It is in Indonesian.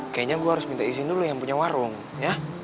kayaknya gue harus minta izin dulu yang punya warung ya